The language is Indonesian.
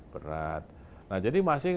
berat nah jadi masih